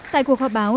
tại cuộc họp báo